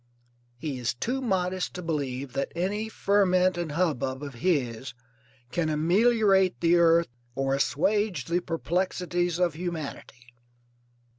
He is too modest to believe that any ferment and hubbub of his can ameliorate the earth or assuage the perplexities of humanity.